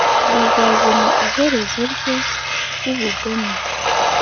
bazazana iherezo rye ry'ubugome